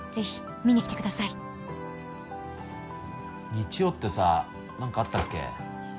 日曜ってさ何かあったっけ？